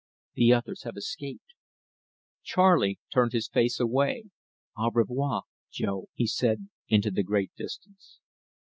The others have escaped." Charley turned his face away. "Au revoir, Jo," he said into the great distance.